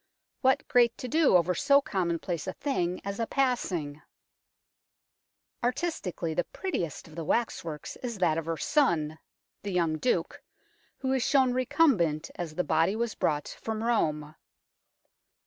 What great to do over so commonplace a thing as a passing ! Artistically, the prettiest of the waxworks is that of her son, the young Duke, who is shown recumbent, as the body was brought from Rome.